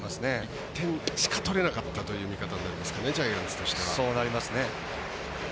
１点しか取れなかったという見方になりますねジャイアンツとしては。